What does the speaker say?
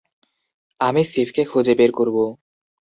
আমি সিফকে খুঁজে বের করব।